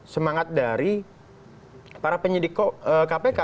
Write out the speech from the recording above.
semangat dari para penyidik kpk